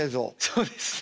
そうですね。